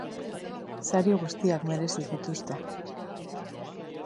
Sari guztiak merezi dituzte.